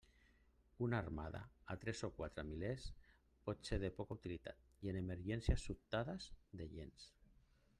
Una armada a tres o quatre mil milles pot ser de poca utilitat, i en emergències sobtades, de gens.